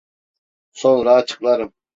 Sonra açıklarım.